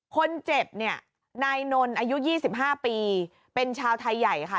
คนเจ็บเนี่ยนายนนท์อายุ๒๕ปีเป็นชาวไทยใหญ่ค่ะ